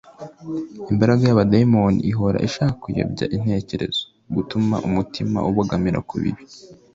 Imbaraga y'abadayimoni ihora ishaka kuyobya intekerezo, gutuma umutima ubogamira ku bibi,